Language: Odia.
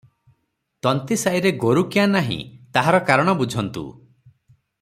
ତନ୍ତୀସାଇରେ ଗୋରୁ କ୍ୟାଁ ନାହିଁ, ତାହାର କାରଣ ବୁଝନ୍ତୁ ।